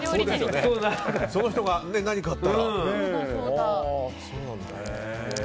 その人に何かあったらね。